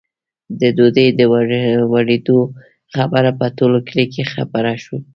د ډوډۍ د ورېدو خبره په ټول کلي کې خپره شوه.